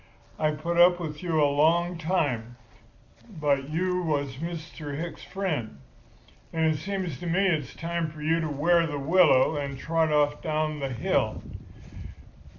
I've put up with you a long time because you was Mr. Hicks's friend; but it seems to me it's time for you to wear the willow and trot off down the hill.